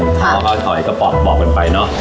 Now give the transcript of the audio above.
พอเขาถอยก็ปอบปอบกันไปเนอะ